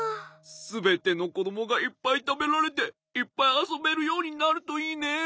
すべてのこどもがいっぱいたべられていっぱいあそべるようになるといいね。